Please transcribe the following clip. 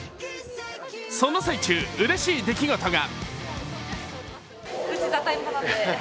その最中、うれしい出来事が。